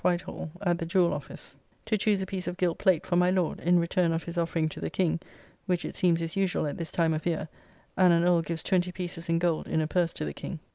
] to choose a piece of gilt plate for my Lord, in return of his offering to the King (which it seems is usual at this time of year, and an Earl gives twenty pieces in gold in a purse to the King).